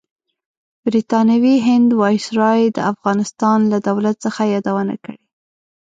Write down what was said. برطانوي هند وایسرای د افغانستان لۀ دولت څخه یادونه کړې.